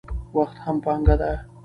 وخت هم پانګه ده.